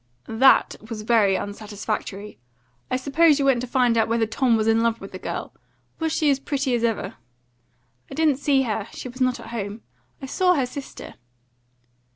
"That was very unsatisfactory. I supposed you went to find out whether Tom was in love with the girl. Was she as pretty as ever?" "I didn't see her; she was not at home; I saw her sister."